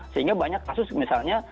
sehingga banyak kasus misalnya